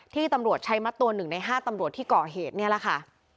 ที่ตำรวจใช้มัดตัว๑ใน๕ตำรวจที่ก่อเหตุนี่แหละค่ะ